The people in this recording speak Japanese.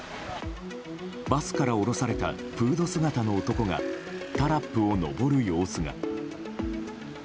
バスから降ろされたフード姿の男がタラップを上る様子が。